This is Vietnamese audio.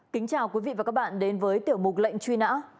kính chào quý vị và các bạn đến với tiểu mục lệnh truy nã